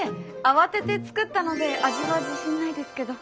慌てて作ったので味は自信ないですけど。